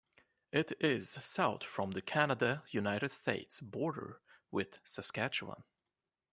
It is south from the Canada-United States border with Saskatchewan.